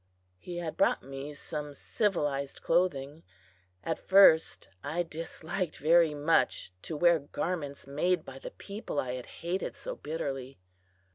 He had brought me some civilized clothing, At first, I disliked very much to wear garments made by the people I had hated so bitterly.